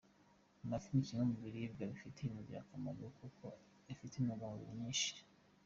Amafi ni kimwe mu biribwa bifitiye umubiri akamaro, kuko afite intungamubiri nyinshi.